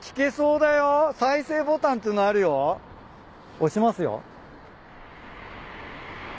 押しますよ。